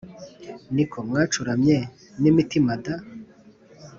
Niko mwacuramye n’imitima da”?